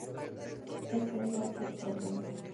Ese no es hoy el problema.